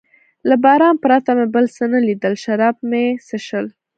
له باران پرته مې بل څه نه لیدل، شراب مې و څښل.